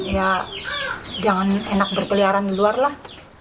ya jangan enak berkeliaran di luar lah